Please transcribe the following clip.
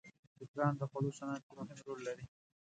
چرګان د خوړو صنعت کې مهم رول لري.